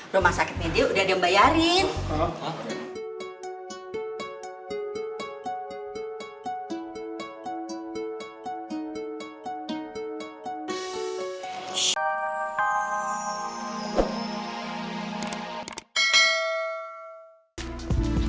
rumah sakit media udah dibayarin